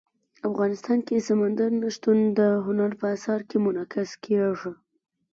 افغانستان کې سمندر نه شتون د هنر په اثار کې منعکس کېږي.